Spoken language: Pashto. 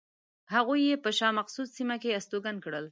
هغوی یې په شاه مقصود سیمه کې استوګن کړل.